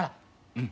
うん。